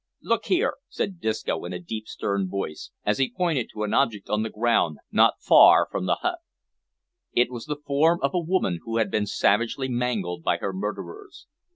"Look here!" said Disco, in a deep, stern voice, as he pointed to an object on the ground not far from the hut. It was the form of a woman who had been savagely mangled by her murderers.